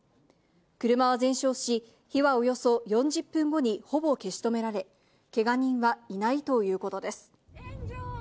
車は全焼し、火はおよそ４０分後にほぼ消し止められ、けが人はいないということです。